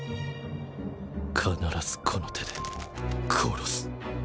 必ずこの手で殺す。